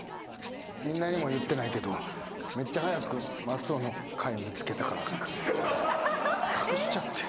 みんなにも言ってないけどめっちゃ早く松尾の貝見つけたから隠しちゃって。